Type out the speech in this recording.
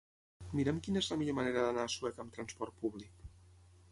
Mira'm quina és la millor manera d'anar a Sueca amb transport públic.